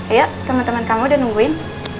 iya teman teman kamu udah nungguin